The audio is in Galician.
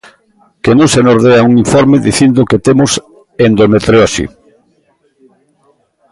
Que se nos dea un informe dicindo que temos endometriose.